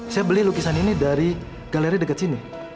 saya beli lukisan ini dari galeri dekat sini